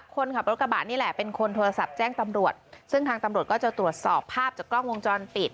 คนขับรถกระบะนี่แหละเป็นคนโทรศัพท์แจ้งตำรวจซึ่งทางตำรวจก็จะตรวจสอบภาพจากกล้องวงจรปิด